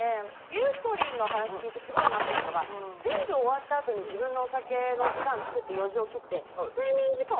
ゆうこりんの話聞いてすごいなと思うのが全部終わったあとに自分のお酒の時間作って４時起きって。